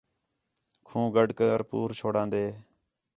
کھوں گڈھ کر پور چُھڑان٘دے